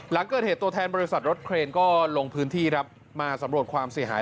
หลังเกิดเหตุตัวแทนบริษัทรถเครนก็ลงพื้นที่ครับมาสำรวจความเสียหาย